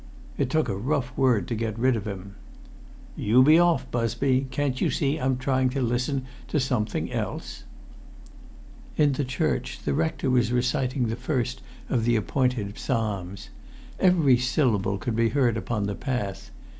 It took a rough word to get rid of him. [Pg 3]"You be off, Busby. Can't you see I'm trying to listen to something else?" In the church the rector was reciting the first of the appointed psalms. Every syllable could be heard upon the path.